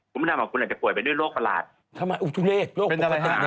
คุณประมาณคุณอาจจะป่วยไปด้วยโรคประหลาดทำไมโรคประหลาดนี่แหละ